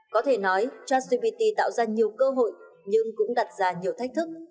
có thể nói chasgpt tạo ra nhiều cơ hội nhưng cũng đặt ra nhiều thách thức